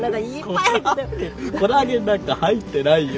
コラーゲンなんか入ってないよ。